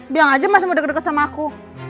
bilang aja mas mau deket deket sama aku